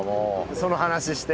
その話して。